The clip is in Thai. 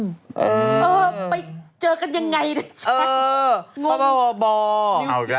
เออไปเจอกันอย่างไรนะแช้น